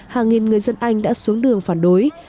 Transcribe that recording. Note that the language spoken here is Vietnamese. hàng nghìn người dân anh đã xuống đường phản đối